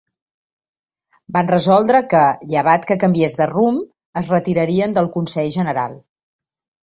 Van resoldre que, llevat que canviés de rumb, es retirarien del consell general.